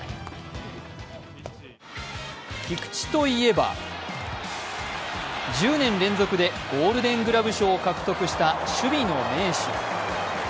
菊池といえば、１０年連続でゴールデン・グラブ賞を獲得した守備の名手。